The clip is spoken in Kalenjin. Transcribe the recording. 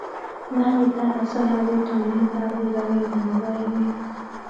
nda kitar asoya ko taunet ab kibagenge nebo emet